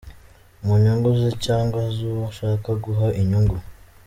mu nyungu ze cyangwa z’uwo ashaka guha inyungu